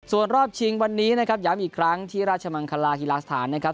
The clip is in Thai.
ส่วนรอบชิงวันนี้นะครับย้ำอีกครั้งที่ราชมังคลาฮิลาสถานนะครับ